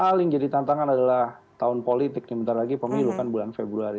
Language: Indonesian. paling jadi tantangan adalah tahun politik sebentar lagi pemilu kan bulan februari